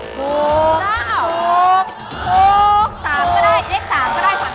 ๓ก็ได้